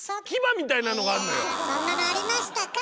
牙みたいなのがあんのよ。